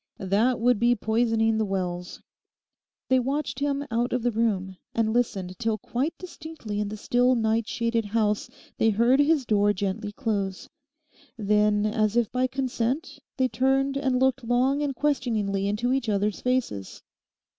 That would be poisoning the wells.' They watched him out of the room, and listened till quite distinctly in the still night shaded house they heard his door gently close. Then, as if by consent, they turned and looked long and questioningly into each other's faces.